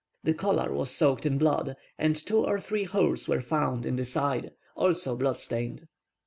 The collar was soaked in blood, and two or three holes were found in the side, also blood stained.